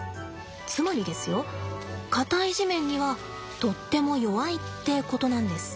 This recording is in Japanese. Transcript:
つまりですよ硬い地面にはとっても弱いってことなんです。